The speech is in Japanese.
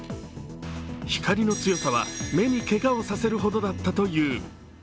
光の強さは目にけがをさせるほどだったという。